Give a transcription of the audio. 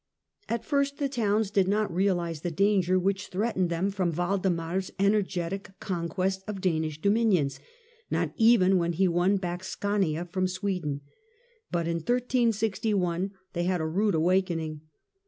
At first the towns did not realise the danger which threatened them from Waldemar's energetic recon quest of Danish dominions, not even when he won back Skaania from Sweden ; but in 1361 they had a rude awakening.